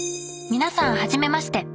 皆さん初めまして。